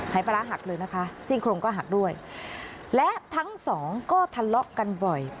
หายปลาร้าหักเลยนะคะซี่โครงก็หักด้วยและทั้งสองก็ทะเลาะกันบ่อย